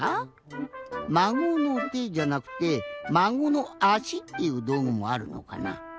「まごのて」じゃなくて「まごのあし」っていうどうぐもあるのかな？